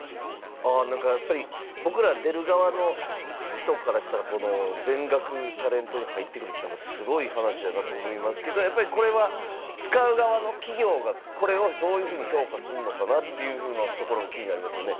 僕ら出る側からしたら、全額タレントに入ってくるというのはすごい話やなと思いますけれども、使う側の企業がこれをどういうふうに評価するのかなというのが気になりますよね。